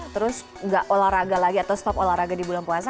terus nggak olahraga lagi atau stop olahraga di bulan puasa